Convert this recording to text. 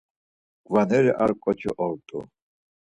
Mgvaneri ar ǩoçi ort̆u.